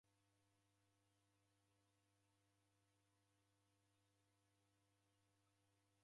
Wakesho ni mwai wa kidaw'ida.